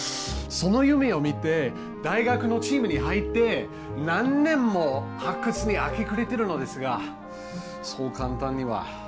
その夢をみて大学のチームに入って何年も発掘に明け暮れてるのですがそう簡単には。